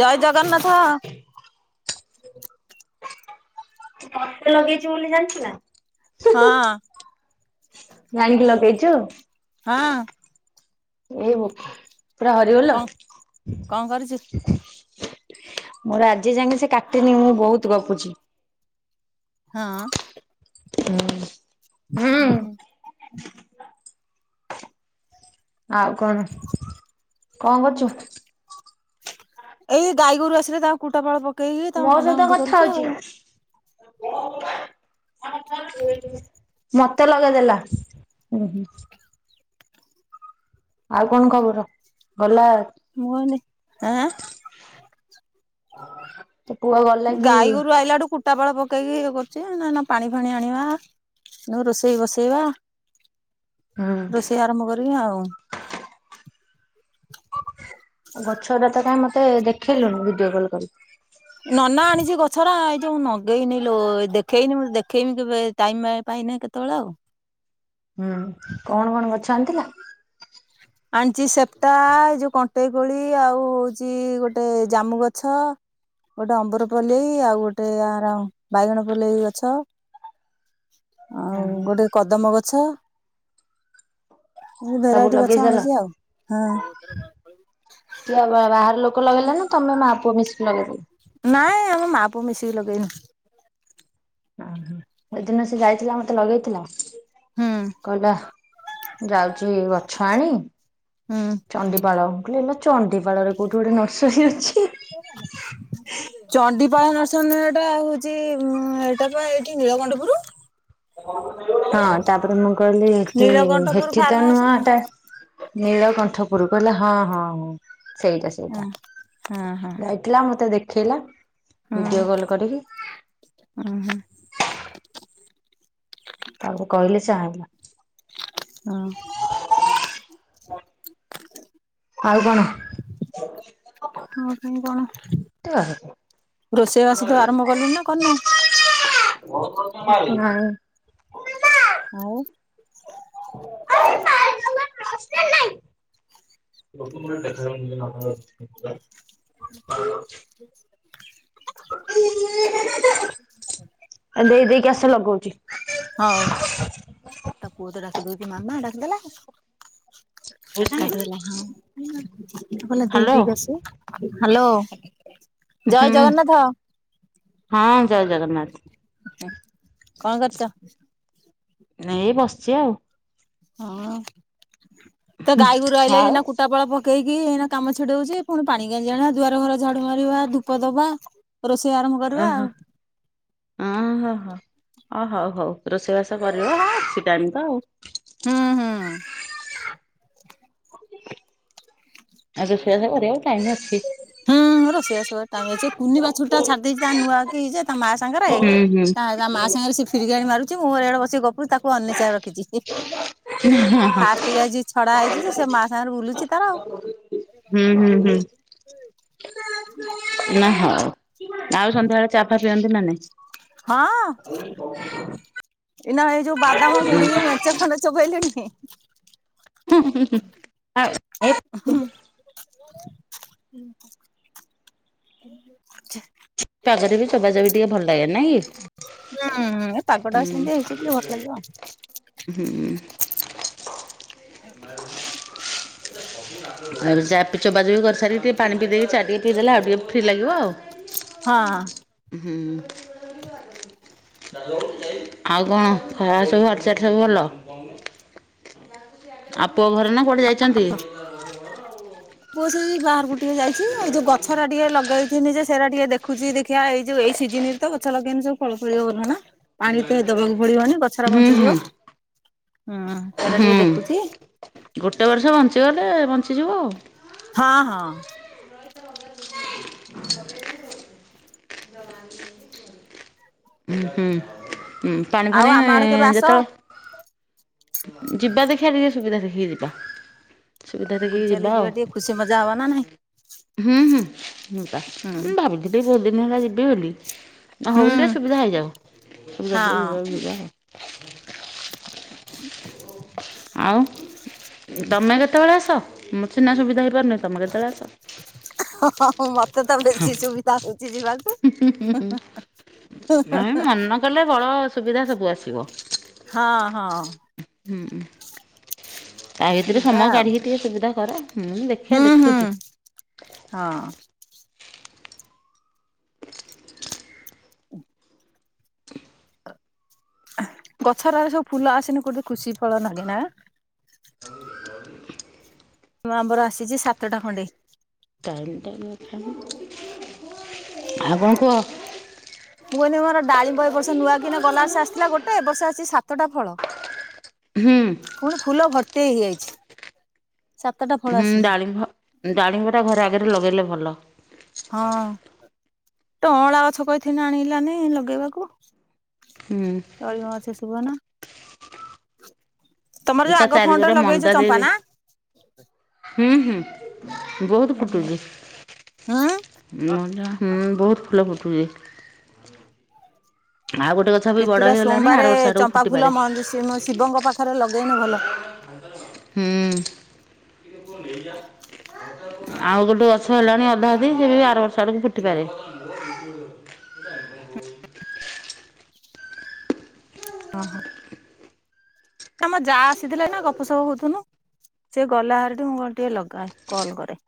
ଜୟ ଜଗନ୍ନାଥ। ବ୍ରତ ଲଗେଇଚି ବୋଲି ଜାନୁଚୁନା। ହଁ। ଜାଣିକି ଲଗେଇଚୁ? ହଁ। ଓହୋ ପୁରା ହରିବୋଲ। କଣ କଣ କରୁଛୁ? ମୋର ଆଜି ଜାଙ୍କେ ସେ କାଟିନି ମୁଁ ବହୁତ୍ ଗପୁଚି। ହଁ। ହୁଁ। ଉଁ ହୁଁ। ଆଉ କଣ କଣ କରୁଚୁ? ଏଇ ଗାଈ ଗୋରୁ ଆସିଲେ ତାଙ୍କୁ କୁଟା ଫାଳ ପକେଇକି ମୋ ତାଙ୍କୁ ବନ୍ଧା ସହିତ ବନ୍ଧ କଥା କରୁଚି ହଉଛି। ଆଉ। [unintelligible] ମତେ ଲଗେଇ ଦେଲା ଉଁ ହୁଁ। ଆଉ କଣ ଖବର? ଗଲା [unintelligible] ଆଁ ତୋ ପୁଅ ଗଲା କି? ଟା ଫଳ ପକେଇକି ଇଏ କରୁଚି ନା ନା ପାଣି ଫାଣି ଆଣିବା। ମୁଁ ରୋଷେଇ ବସେଇବା ହୁଁ ରୋଷେଇ ଆରମ୍ଭ କରିମି ଆଉ। ଗଛରାତ କାହିଁ ମତେ ଦେଖେଇଲୁନୁ ଭିଡିଓ କଲ କରିିକି। ନନା ଆଣିଛି ଗଛରା ଏଇ ଯୋଉ ନଗେଇନି ଲୋ ଏ ଦେଖେଇନି ମୁଁ ଦେଖେଇମି କେବେ ଟାଇମ ପାଇନେ କେ ତଳେ ଆଉ। ହୁଁ କଣ କଣ ଗଛ ଆଣିଥିଲ? ଆଣିଚି ସେପ୍ଟା ଏଇ ଯୋଉ କଣ୍ଟେଇକୋଳି ଆଉ ହଉଛି ଗୋଟେ ଜାମୁ ଗଛ ଗୋଟେ ଅମ୍ବର ପଲେଇ ଆଉ ଗୋଟେ ଆର ବାଇଗଣ ପଲେଇ ଗଛ। ଅଡିଓ ଶୁଭୁନି। ଆଉ ଓହୋ ଗୋଟେ କଦମ୍ବଗଛ, ମୁଁ ସବୁ ଭେରାଇଟି ଗ ଲଗେଇ ଗଛ ସାରିଲ ଆଣିଛି ଆଉ, ହଁ। କିଏ ଆଉ ବାହାର ଲୋକ ଲଗେଇଲେ ନା ତମେ ମା ପୁଅ ମିଶିକି ଲଗେଇଦେଲ। ନାଇଁ ଆମେ ମା ପୁଅ ମିଶିକି ଲଗେଇନୁ। ଓହୋ ଏଦିନ ସେ ଯାଇଥିଲା ମତେ ଲଗେଇଥିଲା? ହୁଁ। କହିଲା ଯାଉଛି ଗଛ ଆଣି ହୁଁ। ଚଣ୍ଡିପାଳ, ମୁଁ କହିଲି ଇଲୋ ଚଣ୍ଡି ପାଳରେ କୋଉଠି ଗୋଟେ ନର୍ସରୀ ଅଛି। କ [inaudible] ଚଣ୍ଡିପାଳ ନର୍ସରୀ ନୁହେଁ ଏଟା ହଉଛି ଏଇଟା ପା ଏଇଠି ନୀଳକଣ୍ଠ ପୁର। ହଁ ତାପରେ ମୁଁ କହିଲି ଏଠି, ନୀଳକଣ୍ଠପୁର ଫାର୍ମ ଏଠିତ ହାଉସ ନୁହଁ ନା ଏଟା। ହଁ ନୀଳକଣ୍ଠପୁର କହିଲେ ହଁ, ହଁ, ହଁ ସେଇଟା, ସେଇଟା। ହଁ ଦେଖିଲା ମତେ ଦେଖେଇଲା ଭିଡିଓ କଲ କରିକି। ଉଁ ହୁଁ। ତାକୁ କହିଲେ ସେ ଆଣିଲା। ହଁ। ଆଉ କଣ? ଆଉ ପୁଣି କଣ, ରୋଷେଇବାସ ତୁ ଆରମ୍ଭ କଲୁଣି ନା କରିନୁ। ନାଇଁ। ଆଉ ଏବେ ପା ଆଇଥିଲ, ହଷ୍ଟେଲ ନାହିଁ ପ୍ରଥମ ରୁ କେତେ ଜଣ ପିଲେ କାମକୁ ଯାଉଛନ୍ତି, କହିବ। ତିନିଶହ ଆରେ ଦେଇ ଦେଇକି ଆସେ ଲଗଉଚି। ହଉ, ତା ପୁଅତ ଡାକିଦଉଛି ମାମା ଡାକିଦେଲା। ଭଲ କାମ ହ୍ୟାଲୋ ଦେଲା ହଁ, କହିଲା ଦେଇଦେଇ କି ଆସିବୁ। ହାଲୋ, ହୁଁ, ହଁ ଜୟ ଜଗନ୍ନାଥ। ହୁଁ କଣ କରୁଚ? ଏଇ ବସିଚି ଆଉ। ହଁ, ତ ଗାଈ ଗୋରୁ ଆଇଲେ ଆଉ ସିନା କୁଟାପାଳ ପ କେଇକି ଏଇନା କାମ ଛିଡ଼ଉଚି ପୁଣି ପାଣି ଗେଂଜଣା ଦୁଆର ଘର ଝାଡୁ ମାରିବା, ଧୂପ ଦବା। ରୋଷେଇ ଆରମ୍ଭ କରିବା ଆଉ। ଓଃ ହୋ ହୋ ଓ ହଉ ହଉ ରୋଷେଇବାସ କରିବ ଅଛି ଟାଇମ ତ ଆଉ। ହୁଁ, ହୁଁ। ଆଉ ରୋଷେଇବାସ କରିବାକୁ ଟାଇମ ଅଛି। ହଁ ରୋଷେଇବାସ କରିବାକୁ ଟାଇମ ଅଛି କୁନି ବଛୁରୀ ଟା ଛାଡି ଦେଇେଛି ତା ନୂଆକି ଯେ ତା ମା ସାଙ୍ଗରେ ହୁଁ ହୁଁ ତା ମା ସାଙ୍ଗରେ ସେ ଫିରିକାଣି ମାରୁଛି ମୁଁ ଇଆଡେ ବସିକି ଗପୁଚି ତାକୁ ଅନିଷା ରଖିଛି। ଫାଷ୍ଟ ଟିକେ ଆଜି ଛଡା ହେଇଛି ଯେ ସେ ମାଆ ସାଙ୍ଗରେ ବୁଲୁଛି ତାର। ହୁଁ ହୁଁ ହୁଁ ନାଇଁ ହଉ। ଆଉ ସନ୍ଧ୍ୟାବେଳେ ଚା, ଫା, ପିଅନ୍ତି ନା ନାହିଁ? ହଁ, ଏଇନା ଏ ଯଉ ବାଦାମ ମୁଢ଼ି କି ମୁ ଏ ମେଞ୍ଚେ ଖଣ୍ଡେ ଚୋବେଇଲିଣି ହିଁ ଆଉ ଏଇ ହୁଁ। [unintelligible] ଆଚ୍ଛା। ପାଗରେ ବି ଚୋବା ଚବି ଟିକେ ଭଲ ଲାଗେ ନାଇଁ କି? ଉଁ ଏ ପାଗଟା ଆ ସେମିତି ହେଇଛି ଟିକେ ଭଲ ଲାଗିବ। ହୁଁ। ଆଉ ଆଉ ଚା ପି ଚୋବା ଚୋବି କରିସାରି ଟିକେ ପାଣି ପିଇ ଦେଇକି ଚା ଟିକେ ପିଇଦେଲେ ଆଉ ଟିକେ ଫ୍ରି ଲାଗିବ ଆଉ। ହଁ। ହୁଁ। ଆଉ କଣ ଖ ସବୁ ହଟ୍ ଚଟ୍ ସବୁ ଭଲ? ଆ ପୁଅ ଘରେ ନା କୁଆଡ଼େ ଯାଇଚନ୍ତି? ଆ [inaudible] ପୁଅ ସେଇ ବାହାରକୁ ଟିକେ ଯାଇଛି ଏଇ ଯୋଉ ଗଛରା ଟିକେ ଲଗେଇ ଥିନି ଯେ ସେରା ଟିକେ ଦେ ଖୁଛି ଦେଖିଆ ଏଇ ଯୋଉ ଏଇ ସିଜିନ ରେ ତ ଗଛ ଲଗେଇନି ସବୁ ଫଳ ଫଳିବା କଥା ନା ପାଣି ତେ ଦବାକୁ ପଡିବନି ଗ ଛରା ହୁଁ ହୁଁ ବଞ୍ଚିଯିବ ହୁଁ। ସେରା ହୁଁ ଟିକେ ଦେଖୁଛି ଗୋଟେ ବର୍ଷ ବଞ୍ଚିଗଲେ ବଞ୍ଚିଯିବ ଆଉ। ହଁ ହଁ। [inaudible] [unintelligible] ହୁଁ ହୁଁ ପାଣି ଆଉ ଫାଣି ଆମ ଆଡେ କେବେ ଆସ ଯେତେବେଳେ ଯିବା ଦେଖିଆ ଟିକେ ସୁବିଧା ଦେଖିକି ଯିବା। ବୁଲ ଚାଲି ଯିବା ଟିକେ ଖୁସି ମଜା ହବାନା ନାହିଁ। ହୁଁ ହୁଁ ମୁଁ ପା ହୁଁ। ମୁଁ ଭାବିଥିଲି ବୋହୁତୁ ଦିନ ହେଲା ଯିବି ବୋଲି। ହ ହଉନି ଟିକେ ସୁବିଧା ହେଇଯାଉ ସୁବିଧା ଟିକେ ହେଇଯାଉ ଯିବା। ଆଉ ତମେ କେତେବେଳେ ଆସ ମୋତେ ସିନା ସୁବିଧା ହେଇପାରୁନି। ତମେ କେତେବେଳେ ଆସ। ମତେ ତ ବେଶି ସୁବି ଦା ହଉଚି ଯିବାକୁ। ନାଇଁ ମନ କଲେ ବଳ ସୁବିଧା ସବୁ ଆସିବ। ହଁ ହଁ। ହୁଁ ତା ଭିତରେ ଯିବା ସମୟ ଆଉ କାଢ଼ିକି ଟିକେ ସୁବିଧା କର ହୁଁ ଦେ ଖିଆ ଦେଖୁଛି। ହଁ। ଗଛରାରେ ସବୁ ଫୁଲ ଆସିନେ ଗୋଟେ ଖୁସି ଫଳ ଲାଗେ ନା? [unintelligible] ନୂଆ ଆମ୍ବର ଆସିଚି ସାତଟା ଖଣ୍ଡେ। [unintelligible] ଆଉ କଣ କୁହ। ମୁଁ କହିଲି ମୋର ଡାଳିମ୍ବ ଏ ବର୍ଷ ନୂଆ କିନା ଗଲା ବସ ଆସିଥିଲା ଗୋଟେ ଏ ବର୍ଷ ଆସିଛି ସାତଟା ଫଳ। ହୁଁ। ପୁଣି ଫୁଲ ଭର୍ତ୍ତି ହେଇଯାଇଚି। ହୁଁ ଡ଼ାଳିମ୍ବ ଡ଼ାଳିମ୍ବଟା ଘରେ ଆଗରେ ଲଗେଇଲେ ଭଲ। ହଁ ଟ ଅଁଳା ଗଛ କହିିଥିନି ଆଣିଲନି ଲଗେଇବାକୁ। ହୁଁ। [unintelligible] ନା ତମର ଯୋଉ ତା ଆଗ ଚାରିକରେ ଫଣ୍ଡରେ ଲଗେଇଛ ମନ୍ଦା ଦେଇ ଚମ୍ପା ନା। ହୁଁ, ହୁଁ ବହୁତ ହୁଁ ଫୁଟୁଚି। ମନ୍ଦା ହୁଁ ବହୁତ ଫୁଲ ଫୁଟୁଛି। ଆଉ ଗୋଟେ ଗଛ ବି ବଡ଼ କେତୁଟା ହେଇଗଲାଣି ସୋମବାର ଆର ବର୍ଷ ଆଡ଼କୁ ଚମ୍ପା ଫୁଟିପାରେ। ଫୁଲ ମ ଶିବଙ୍କ ପାଖରେ ଲଗେଇନେ ଭଲ। ହୁଁ। ଆଉ ଗୋଟେ ଗଛ ହେଲାଣି ଅଧା ଅଧି ସେ ବି ଆର ବର୍ଷ ଆଡକୁ ଫୁଟି ପାରେ। ଓହୋ। ଆମ ଯା ଆସିଥିଲେ ନା ଗପ ସପ ହଉଥୁନୁ। ସେ ଗଲାହାରି ଟୁ ମୁଁ କହିନି ଟିକେ ଲଗାଏ କଲ୍ କରେ।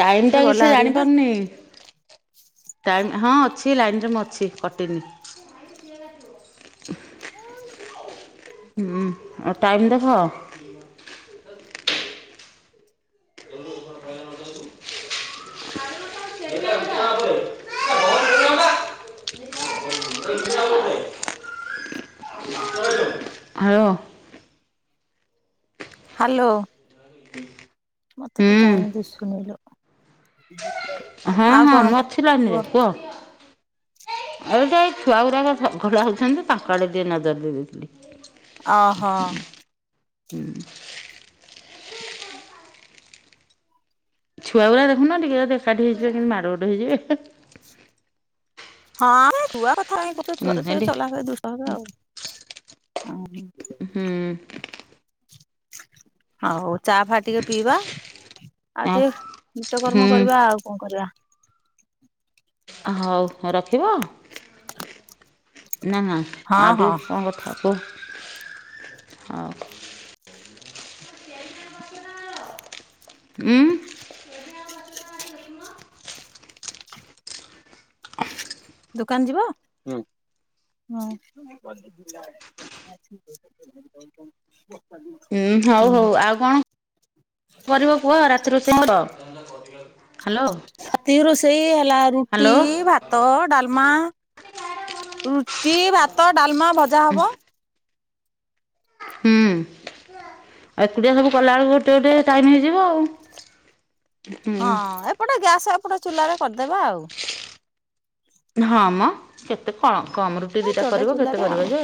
ଟାଇମ ଟା ସେ ଗଲା କିଛି ହାରି ନା ଜାଣିପାରୁନି। ଟାଇମ୍ ହଁ ଅଛି ଲାଇନ୍ ରେ ମୁଁ ଅଛି କଟିନି। [unintelligible] ହୁଁ, ଆଉ ଟାଇମ୍ ଦେଖ। [inaudible] [unintelligible] [unintelligible] [unintelligible] ଆଇବ। ହ୍ୟାଲୋ। [inaudible] ମତେ ତ ହୁଁ। ଟାଇମ ଦିଶୁ ନେଇଲୋ। ହଁ ହଁ ମୁଁ ଅଛି ଲାଇନ୍ ରେ କୁହ। ଏଟା ଏ ଛୁଆ ଗୁରାକ ଚଗଲା ହୋଉଛନ୍ତି ତାଙ୍କଆଡେ ଟିକେ ନଜର ଦେଇ ଦେଇଥିଲି। ଅ ହୋ। ଛୁଆ ଗୁରା ଦେଖୁନ ଟିକେ ଯଦି ଏକାଠି ହେଇଯିବେ କେମିତି ମାର ଗୋଡ଼ ହେଇଯିବେ। ହଁ ଛୁଆ କଥା କାଇ କହୁଛ, ଛୁଆ ମୁଁ ହେରା କହିଲି ଚଲା ହେବେ ଦୁଷ୍ଟ ହେବେ ଆଉ। ଅ ହଁ। ହୁଁ ଆଉ ଚା ଫା ଟିକେ ପିଇବା ଆଉ ଆଉ ଟିକେ ନିତ୍ୟକର୍ମ ହୁଁ। କରିବା ଆଉ କଣ କରିବା। ହଉ ରଖିବ। ନା ନା ହଁ ଆଉ ହଁ ଟିକେ କଁ କଥା ହୁଅ, ହୋଉ। ଉଁ। ଦୋକାନ ଯିବ ହୁଁ। [inaudible] ଉଁ ହଉ ହଉ ଆଉ କଣ କରିବ? କୁହ ରାତି ରୋଷେଇ ହବ, ହ୍ୟାଲୋ। ତି ରୋଷେଇ ହେଲା ରୁଟି ହ୍ୟାଲୋ ଭା ଭାତ ଡାଲମା ରୁଟି ଭାତ ଡାଲମା ଭଜା ହବ‌। ହୁଁ, ଆଉ ଏକୁଟିଆ ସବୁ କଲାବେେଳକୁ ଗୋଟେ ଗୋଟେ ଟାଇମ ହେଇଯିବ ଆଉ। ହଁ ହୁଁ। ଏପଟେ ଗ୍ୟାସ ଏପଟେ ଚୁଲାରେ କରିଦେବା ଆଉ। ହଁ ମ କେତେ କ କମ ର ଟି ଏ ଦିଟା ଯୋଡେ କରିବ କେତେ ଚୁଲାରେ କରିବ ଆଉ ଯେ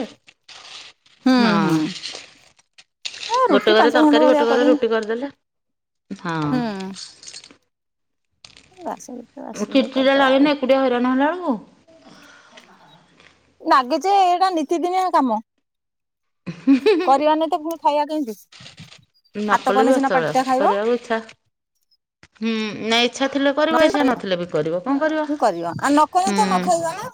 ହୁଁ ହଁ। ହୁଁ ଏ ରୁଟି ଗୋଟେ ପାଞ୍ଚ କରେ ଖଣ୍ଡ ତରକାରୀ ଭଳିଆ ଗୋଟେ କରେ କରି ରୁଟି କରିଦେଲେ ହଁ। ହୁଁ ହ ଆସ ଚିଡି ଚିଡାଲାଗେନି ଏକୁଟିଆ ହଇରାଣ ହେଲା ଏଳକୁ। ଲାଗେ ଯେ ଏଇଟା ନିତିଦିନିଆ କାମ କରିବାନି ତ ଫୁ ଖାଇବା କେମତି। ନକଲେ ବି ଅଚଳ କରିବାକୁ ଇଚ୍ଛା ହୁଁ ନାଇଁ ଇଛା ଥିଲେ କରିବ ଇଚ୍ଛା ନହେଲେ ନଥିଲେ ବି କରିବ କଣ କରିବ ପୁଣି କରିବା ଆଉ ନ କଲେ ତ ନ ହୁଁ? ଖାଇବା ନା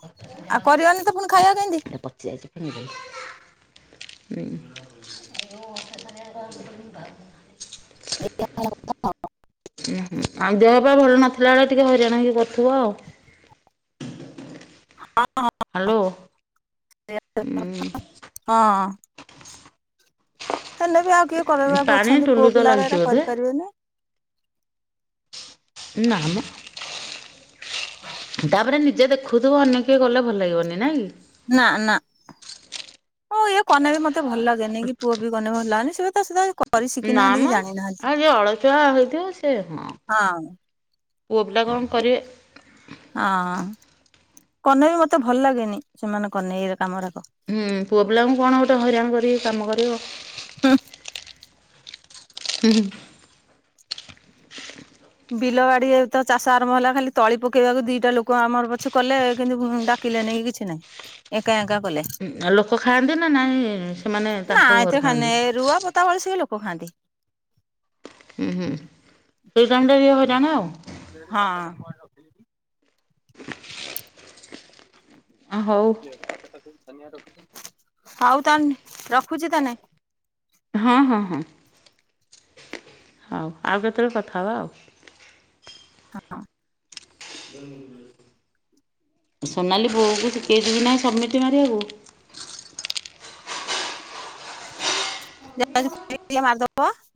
ଆଉ କରିବାନି ତ ପୁଣି ଖାଇବା କେମିତି? ପଚି ଯାଇଚି। [unintelligible] [unintelligible] [inaudible] ଉଁ ହୁଁ ଆଉ ଦେହ ପା ଭଲ ନଥି ହେଲାବେଳେ ଟିକେ ହଇରାଣ ହେଇକି ଧରୁଥିବ ଆଉ। [unintelligible] ହ୍ୟାଲୋ ଉଁ। ହଁ। ହେନେ ବି ଆଉ କିଏ ଉଁ କରେଇବାକୁ ପାଣି ଅଛନ୍ତି ଟୁଲୁ ପୁଅ ତ ପିଲାରା ଲାଗିଛି ଏରା ବୋଧେ କରିପାରିବେନି। ନା ମ। ତାପରେ ନିଜେ ଦେଖୁଥିବ ଅନ୍ୟ କିଏ କଲେ ଭଲ ଲାଗିବନି ନାଇଁକି। ନା ନା ହଉ ଇଏ କନେ ବି ମତେ ଭଲ ଲାଗେନି କି ପୁଅ ବି କନେ ଭଲ ଲାଗେନି ସେତ [unintelligible] ନାମ ଆଉ ଯିଏ ଅଳସୂଆ ହେଇଥିବ ସେ ହଁ। ପୁଅ ପିଲା କଣ କରିବେ। ଅଁ କନେ ବି ମତେ ଭଲ ଲାଗେନି ସେମାନେ କନେ ଇରେ କାମ ଗରାକ। ହୁଁ ପୁଅ ପିଲାଙ୍କୁ କଣ ଗୋଟେ ହଇରାଣ କରିକି କାମ କରିବ। [inaudible] ହୁଁ ହୁଁ। ବିଲ ବାଡି ତ ଚାଷ ଆରମ୍ଭ ହେଲା ଖାଲି ତଳି ପକେଇବାକୁ ଦିଟା ଲୋକ ଆମର ପଛେ କଲେ କିନ୍ତୁ ଭୁ ଉଣ୍ଡା କିଲେ ନେଇକି କିଛି ନାହିଁ ଏକା ଏକା କଲେ। ଆ ଲୋକ ଖାଆନ୍ତି ନା ନାହିଁ ସେମାନେ ତାଙ୍କ ଘରୁ ଖାଆନ୍ତି। ସେତେବେଳେ ସେ ଲୋକ ଖାଆନ୍ତି। [unintelligible] ହଁ। ଅ ହୋଉ। [inaudible] ହଉ ତାନେ ରଖୁଚି ତାନେ। ହଁ ହଁ ହଁ। ହଉ ଆଉ କେତେବେଳେ କଥା ହବା ଆଉ। ହଁ। ସୋନାଲି ବୋହୁଙ୍କୁ ସିକେଇଚି କି ନାହିଁ ସମିଟି ମାରିବାକୁ। [unintelligible]